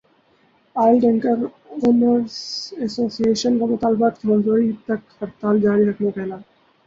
oil tanker owners association کا مطالبات کی منظوری تک ہڑتال جاری رکھنے کا اعلان